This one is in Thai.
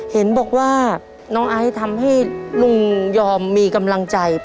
เห็นบอกว่าน้องไอซ์ทำให้ลุงยอมมีกำลังใจ